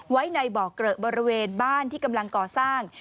ไว้ในบ่อเกลอะบริเวณบ้านที่กำลังก่อสร้าง